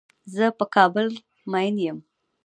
زۀ په کابل مين يم.